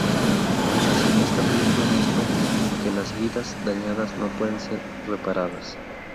Aun así, esta película muestra que las vidas dañadas no pueden ser reparadas.